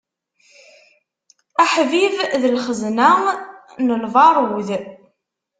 Aḥbib d lxezna n lbaṛud.